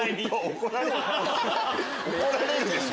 怒られるでしょ。